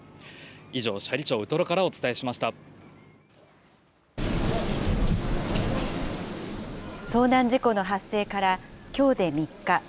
以上、斜里町ウトロからお伝えし遭難事故の発生からきょうで３日。